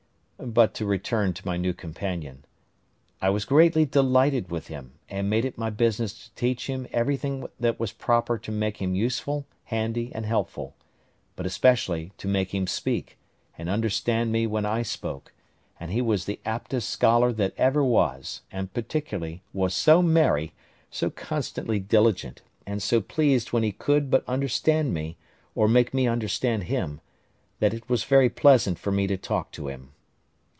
But to return to my new companion. I was greatly delighted with him, and made it my business to teach him everything that was proper to make him useful, handy, and helpful; but especially to make him speak, and understand me when I spoke; and he was the aptest scholar that ever was; and particularly was so merry, so constantly diligent, and so pleased when he could but understand me, or make me understand him, that it was very pleasant for me to talk to him.